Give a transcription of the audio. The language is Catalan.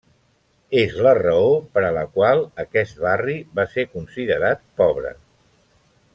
És la raó per a la qual aquest barri va ser considerat pobre.